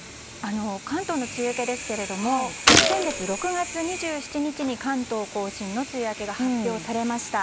関東の梅雨明けですが先月６月２７日に関東・甲信の梅雨明けが発表されました。